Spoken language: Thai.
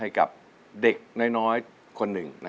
ให้กับเด็กน้อยคนหนึ่ง